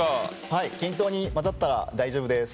はい均等に混ざったら大丈夫です。